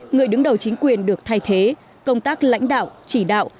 người đứng đầu chính quyền được thay thế công tác lãnh đạo chỉ đạo